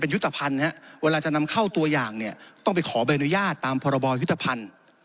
ยุทธภัณฑ์เวลาจะนำเข้าตัวอย่างเนี่ยต้องไปขอใบอนุญาตตามพรบยุทธภัณฑ์